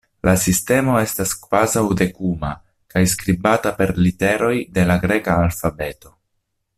La sistemo estas kvazaŭ-dekuma kaj skribata per literoj de la greka alfabeto.